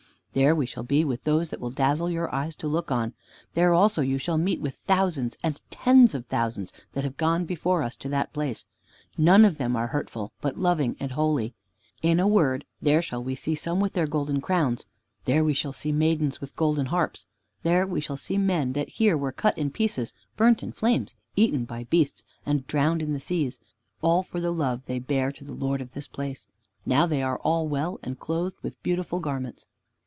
"There we shall be with those that will dazzle your eyes to look on. There also you shall meet with thousands and tens of thousands that have gone before us to that place. None of of them are hurtful, but loving and holy. In a word, there shall we see some with their golden crowns, there we shall see maidens with golden harps, there we shall see men that here were cut in pieces, burnt in flames, eaten by beasts, and drowned in the seas, all for the love they bare to the Lord of this place. Now they are all well, and clothed with beautiful garments."